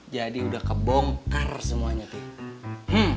jadi udah kebongkar semuanya pih